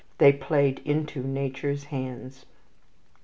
They played into nature's hands.